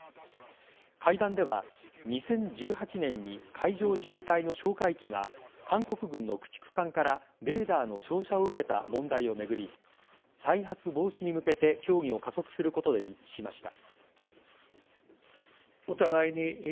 会談では、２０１８年に海上自衛隊の哨戒機が韓国軍の駆逐艦からレーダーの照射を受けた問題を巡り再発防止に向けて協議を加速することで一致しました。